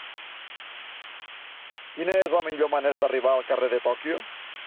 Quina és la millor manera d'arribar al carrer de Tòquio?